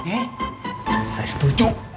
eh saya setuju